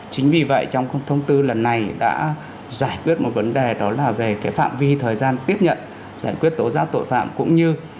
chính vì vậy trong thông tư lần này đã giải quyết một vấn đề đó là về phạm vi thời gian tiếp nhận giải quyết tố giác tội phạm cũng như